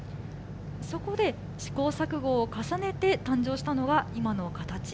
そこで、試行錯誤を重ねて誕生したのが今の形。